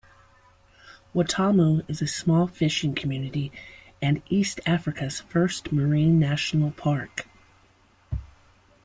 Watamu is a small fishing community and East Africa's first Marine National Park.